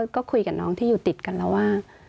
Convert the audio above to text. ก็คุยกับน้องที่อยู่ติดกันแล้วว่า